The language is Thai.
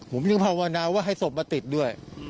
ผมจึงภาวนาว่าให้ศพมาติดด้วย